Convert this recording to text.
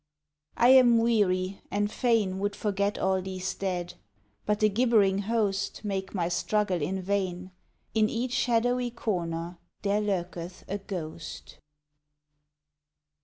I am weary, and fain Would forget all these dead: but the gibbering host Make my struggle in vain, In each shadowy corner there lurketh a ghost.